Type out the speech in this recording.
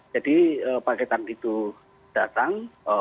jadi paketan itu datang